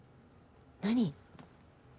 何？